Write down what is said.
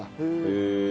へえ。